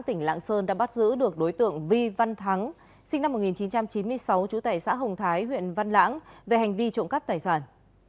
tỉnh lạng sơn đã bắt giữ được đối tượng vi văn thắng sinh năm một nghìn chín trăm chín mươi sáu chủ tệ xã hồng thái huyện văn lãng về hành vi trộm cắp tài sản